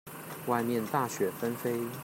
外面大雪紛飛